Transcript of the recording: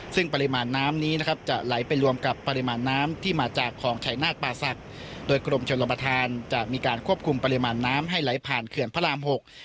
ซึ่งปริมาณน้ำนี้นะครับจะไหลไปรวมกับปริมาณน้ำที่มาจากคลองชายนาฏป่าศักดิ์โดยกรมชนประธานจะมีการควบคุมปริมาณน้ำให้ไหลผ่านเขื่อนพระรามหก